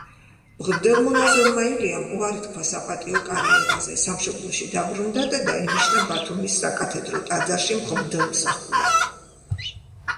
მღვდელმონაზონმა ილიამ უარი თქვა საპატიო კარიერაზე, სამშობლოში დაბრუნდა და დაინიშნა ბათუმის საკათედრო ტაძარში მღვდელმსახურად.